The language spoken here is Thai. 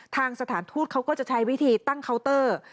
สถานทูตเขาก็จะใช้วิธีตั้งเคาน์เตอร์